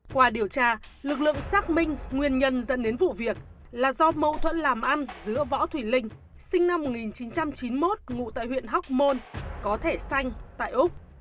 qua điều tra lực lượng xác minh nguyên nhân dẫn đến vụ việc là do mâu thuẫn làm ăn giữa võ thùy linh sinh năm một nghìn chín trăm chín mươi một ngụ tại huyện hóc môn có thể xanh tại úc